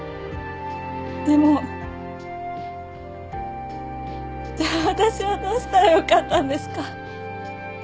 でもじゃあ私はどうしたらよかったんですか？